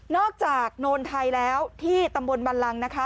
จากโนนไทยแล้วที่ตำบลบันลังนะคะ